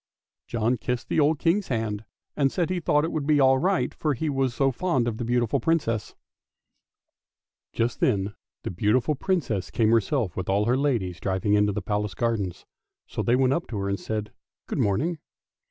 John kissed the old King's hand and said he thought it would be all right for he was so fond of the beautiful Princess. Just then the Princess came herself with all her ladies driving into the Palace gardens, so they went up to her and said " Good morning."